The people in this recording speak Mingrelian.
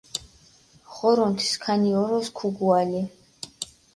ღორონთ, სქანი ოროს ქუგუალე!